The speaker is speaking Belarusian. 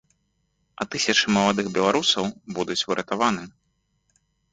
А тысячы маладых беларусаў будуць выратаваны.